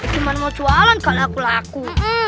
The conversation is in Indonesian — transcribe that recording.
gimana mau jualan kak laku laku